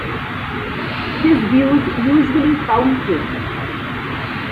His views usually counted.